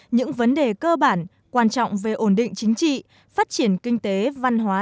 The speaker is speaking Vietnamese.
những vấn đề cơ bản quan trọng về ổn định chính trị phát triển kinh tế văn hóa